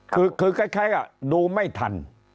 คือคล้ายกับดูไม่ทัน